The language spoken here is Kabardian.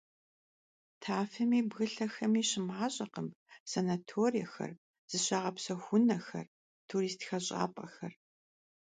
Tafexemi bgılhexemi şımaş'ekhım sanatorexer, zışağepsexu vunexer, turist xeş'ap'exer.